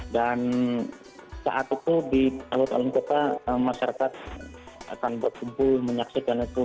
dan saat itu di alur alur kota masyarakat akan berkumpul menyaksikan itu